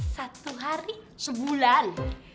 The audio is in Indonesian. satu hari sebulan